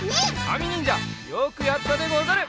あみにんじゃよくやったでござる！